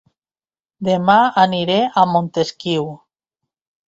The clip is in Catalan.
Dema aniré a Montesquiu